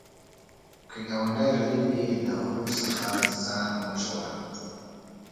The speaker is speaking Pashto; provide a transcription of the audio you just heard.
که ګاونډی غریب وي، له غرور څخه ځان وژغوره